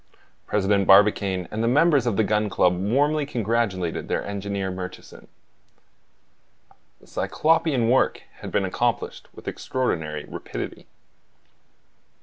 President Barbicane and the members of the Gun Club warmly congratulated their engineer Murchison; the cyclopean work had been accomplished with extraordinary rapidity.